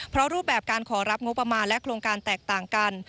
เพราะรูปแบบการขอรับงบประมาณและโครงการแตกต่างกัน